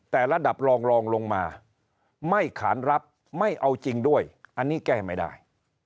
แต่ระดับรองรองลงมาไม่ขานรับไม่เอาจริงด้วยอันนี้แก้ไม่ได้